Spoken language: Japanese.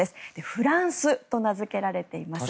「フランス」と名付けられています。